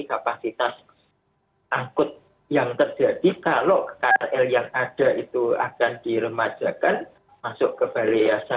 kapasitas angkut yang terjadi kalau krl yang ada itu akan diremajakan masuk ke balai yasa